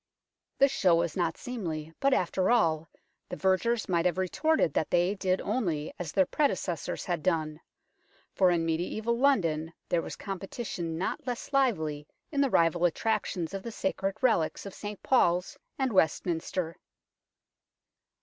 The show was not seemly, but, after all, the vergers might have retorted that they did only as their predecessors had done, for in mediaeval London there was competition not less lively in the rival attractions of the sacred relics of St Paul's and Westminster.